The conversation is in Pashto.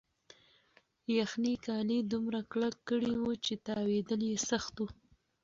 یخنۍ کالي دومره کلک کړي وو چې تاوېدل یې سخت وو.